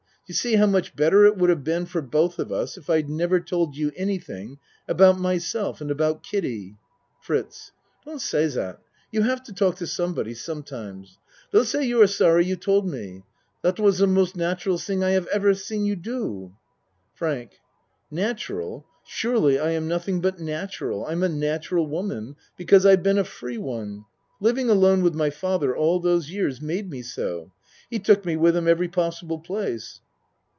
You see how much better it would have been for both of us if I'd never told you anything about myself and about Kiddie. FRITZ Don't say that. You have to talk to somebody sometimes. Don't say you are sorry you told me, dot was de most natural ting I haf ever seen you do. FRANK Natural? Surely, I am nothing but natural. I'm a natural woman because I've been a free one. Living alone with my father all those years made me so. He took me with him every pos sible place.